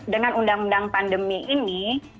dengan undang undang pandemi ini